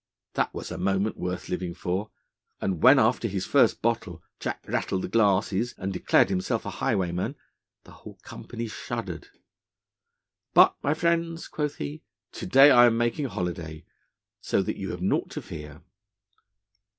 That was a moment worth living for, and when, after his first bottle, Jack rattled the glasses, and declared himself a highwayman, the whole company shuddered. "But, my friends," quoth he, "to day I am making holiday, so that you have naught to fear."